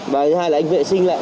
và thứ hai là anh vệ sinh lại